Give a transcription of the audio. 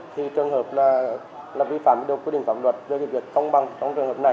thì trường hợp là vi phạm được quyết định pháp luật do việc công bằng trong trường hợp này